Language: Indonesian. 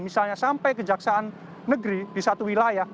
misalnya sampai kejaksaan negeri di satu wilayah